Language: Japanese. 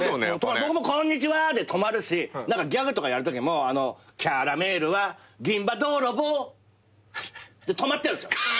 僕も「こんにちはー！」で止まるしギャグとかやるときも「キャラメルは銀歯泥棒」止まってるんすよ。